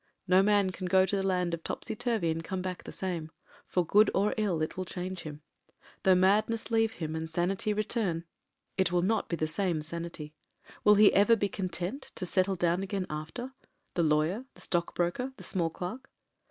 No man can go to the land of Topsy Turvy and come back the same — for good or ill it will change him. Though the madness leave him and sanity return, it 2;o MEN, WOMEN AND GUNS will not be the same sanity. Will he ever be content to settle down again after — ^the lawyer, the stock broker, the small clerk